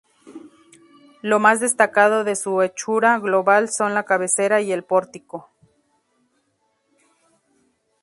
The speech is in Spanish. Lo más destacado de su hechura global son la cabecera y el pórtico.